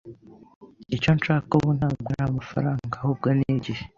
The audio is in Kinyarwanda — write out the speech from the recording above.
Icyo nshaka ubu ntabwo ari amafaranga, ahubwo ni igihe.